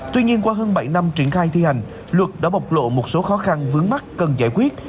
tuy nhiên qua hơn bảy năm triển khai thi hành luật đã bộc lộ một số khó khăn vướng mắt cần giải quyết